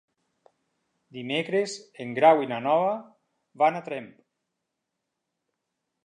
Dimecres en Grau i na Noa van a Tremp.